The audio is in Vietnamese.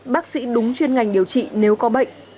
bác sĩ đúng chuyên ngành điều trị nếu có bệnh